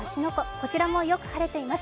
こちらもよく晴れています。